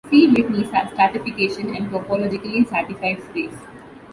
See Whitney stratification and topologically stratified space.